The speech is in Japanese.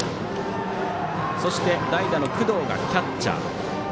そして代打の工藤がキャッチャー。